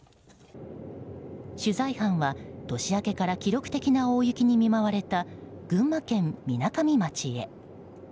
取材班は、年明けから記録的な大雪に見舞われた群馬県みなかみ町へ。